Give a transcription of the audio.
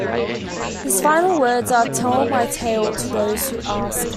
His final words are, Tell my tale to those who ask.